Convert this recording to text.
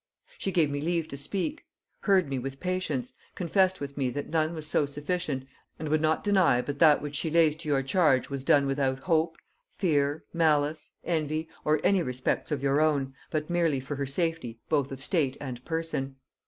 She gave me leave to speak, heard me with patience, confessed with me that none was so sufficient, and would not deny but that which she lays to your charge was done without hope, fear, malice, envy, or any respects of your own, but merely for her safety both of state and person.